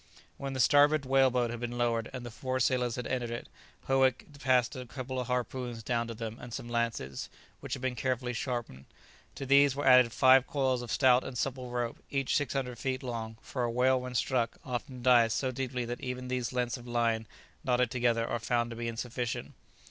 When the starboard whale boat had been lowered, and the four sailors had entered it, Howick passed a couple of harpoons down to them, and some lances which had been carefully sharpened; to these were added five coils of stout and supple rope, each 600 feet long, for a whale when struck often dives so deeply that even these lengths of line knotted together are found to be insufficient.